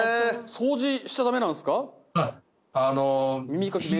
掃除しちゃダメなんすか？